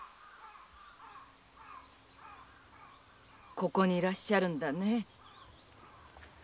ここにいらっしゃるんだね。